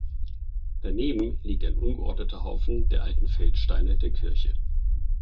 Daneben liegt ein ungeordneter Haufen der alten Feldsteine der Kirche.